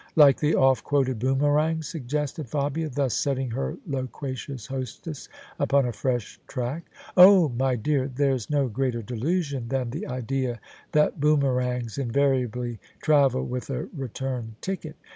" Like the oft quoted boomerang," suggested Fabia, thus setting her loquacious hostess upon a fresh track. " Oh 1 my dear, there's no greater delusion than the idea that boomerangs invariably travel with a return ticket.